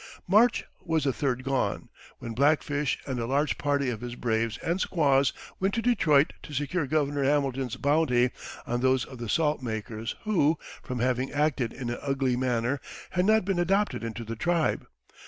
March was a third gone, when Black Fish and a large party of his braves and squaws went to Detroit to secure Governor Hamilton's bounty on those of the salt makers who, from having acted in an ugly manner, had not been adopted into the tribe.